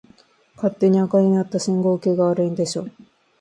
勝手に赤になった信号機が悪いんでしょ。